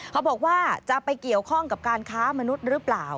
เขาบอกว่าจะไปเกี่ยวข้องกับการค้ามนุษย์หรือเปล่า